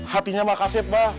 hatinya makasih bah